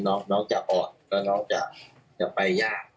น้องจะออกแล้วน้องจะไปยาก